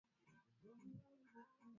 Tia chumvi kwenye sufuria kupikia matembele